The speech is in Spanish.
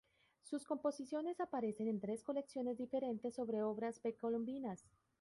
Sus composiciones aparecen en tres colecciones diferentes sobre obras precolombinas.